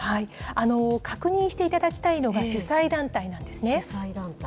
確認していただきたいのが、主催団体なんですね。